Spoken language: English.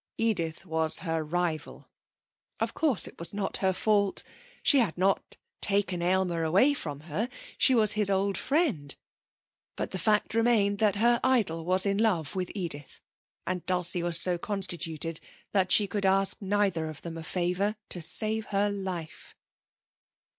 Edith was her rival. Of course it was not her fault. She had not taken Aylmer away from her, she was his old friend, but the fact remained that her idol was in love with Edith. And Dulcie was so constituted that she could ask neither of them a favour to save her life.